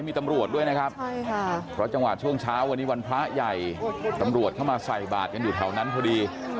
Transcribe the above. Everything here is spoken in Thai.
มีตำรวจด้วยนะครับเพราะจังหวะช่วงเช้าวันนี้วันพระใหญ่ตำรวจเข้ามาใส่บาทกันอยู่แถวนั้นพอดี